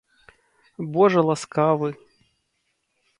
Божа ласкавы!..